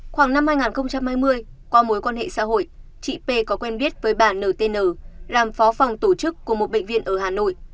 khoảng năm hai nghìn hai mươi qua mối quan hệ xã hội chị p có quen biết với bà ntn làm phó phòng tổ chức của một bệnh viện ở hà nội